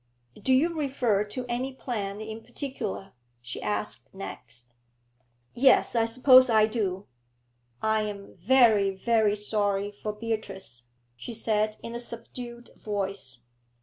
'Do you refer to any plan in particular?' she asked next. 'Yes, I suppose I do.' 'I am very, very sorry for Beatrice,' she said, in a subdued voice.